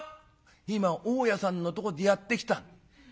「今大家さんのとこでやってきた」。